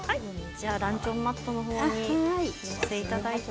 じゃあランチョンマットの方にお載せいただいても。